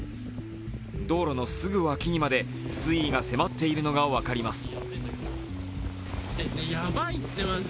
道路のすぐわきにまで、水位が迫っているのが分かります。